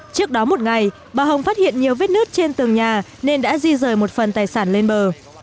trước đó một ngày bà hồng phát hiện nhiều vết nứt trên tường nhà nên đã di rời một phần tài sản lên bờ